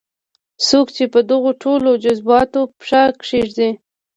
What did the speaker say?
څوک چې په دغو ټولو جذباتو پښه کېږدي.